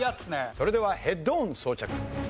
それではヘッドホン装着。